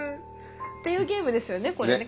っていうゲームですよねこれ。ね。